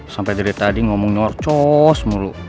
sampai dari tadi ngomong nyorcos mulu